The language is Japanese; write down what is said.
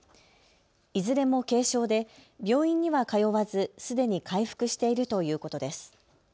いずれも軽症で病院には通わずすでに回復しているということです。